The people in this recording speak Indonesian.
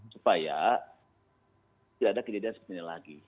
supaya tidak ada kejadian sebenarnya lagi